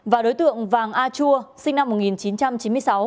và đối tượng vàng a chua sinh năm một nghìn chín trăm chín mươi sáu